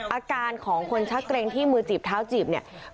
อาการของคนชักเกรงที่มือจีบเท้าจีบเนี่ย